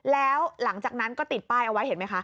แล้วหลังจากนั้นก็ติดป้ายเอาไว้เห็นไหมคะ